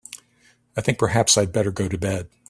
I think perhaps I'd better go to bed.